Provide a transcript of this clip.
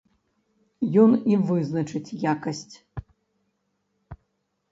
Ён і вызначыць якасць.